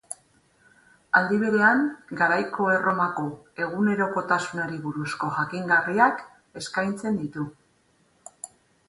Aldi berean, garaiko Erromako egunerokotasunari buruzko jakingarriak eskaintzen ditu.